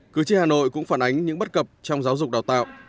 cử tri hà nội cũng phản ánh những bất cập trong giáo dục đào tạo